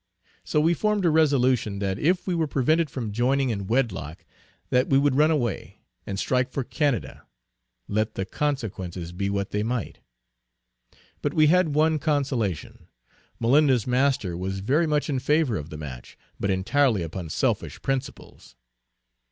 So we formed a resolution, that if we were prevented from joining in wedlock, that we would run away, and strike for Canada, let the consequences be what they might. But we had one consolation; Malinda's master was very much in favor of the match, but entirely upon selfish principles.